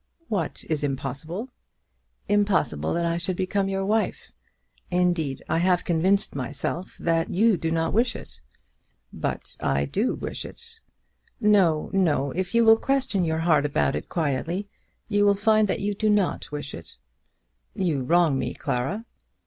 "What is impossible?" "Impossible that I should become your wife. Indeed I have convinced myself that you do not wish it." "But I do wish it." "No; no. If you will question your heart about it quietly, you will find that you do not wish it." "You wrong me, Clara."